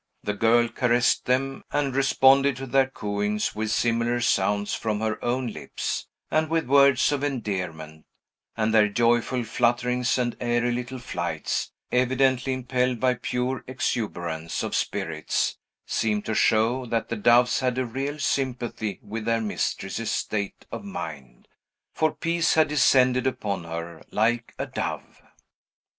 The girl caressed them, and responded to their cooings with similar sounds from her own lips, and with words of endearment; and their joyful flutterings and airy little flights, evidently impelled by pure exuberance of spirits, seemed to show that the doves had a real sympathy with their mistress's state of mind. For peace had descended upon her like a dove.